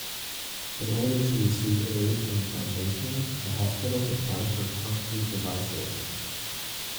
In order to receive aid from the foundation, the hospitals apply for concrete devices.